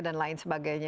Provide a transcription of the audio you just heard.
dan lain sebagainya